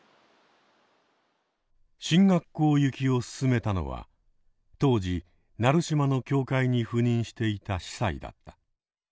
神学校行きを勧めたのは当時奈留島の教会に赴任していた司祭だった。